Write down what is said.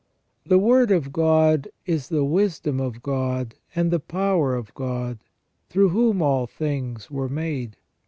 The Word of God is the wisdom of God and the power of God, through whom all things were made.